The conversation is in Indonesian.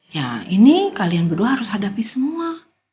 ya ini kalian berdua harus hadapi semua